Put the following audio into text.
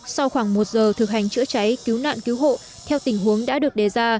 sau khoảng một giờ thực hành chữa cháy cứu nạn cứu hộ theo tình huống đã được đề ra